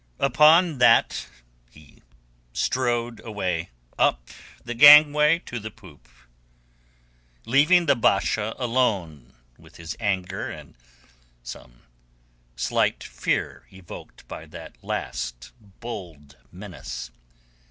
Upon that he strode away up the gangway to the poop, leaving the Basha alone with his anger and some slight fear evoked by that last bold menace.